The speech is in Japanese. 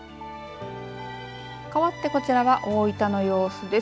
かわってこちらは大分の様子です。